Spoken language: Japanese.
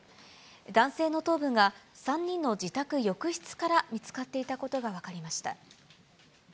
男性の頭部が３人の自宅浴室から見つかっていたことが分かりました。